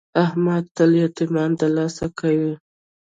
احمد تل یتمیان دلاسه کوي.